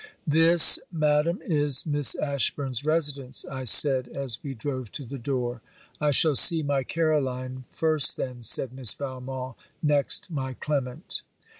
'This, Madam is Miss Ashburn's residence,' I said as we drove to the door. 'I shall see my Caroline first then,' said Miss Valmont: 'next my Clement.'